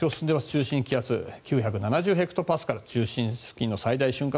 中心気圧９７０ヘクトパスカル中心付近の最大瞬間